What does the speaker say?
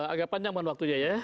agak panjang mohon waktunya ya